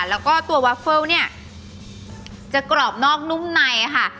แล้วก็ตัววาเฟิลเนี่ยจะกรอบนอกนุ่มในค่ะ